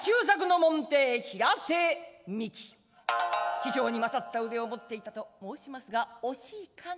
師匠に勝った腕を持っていたと申しますが惜しいかな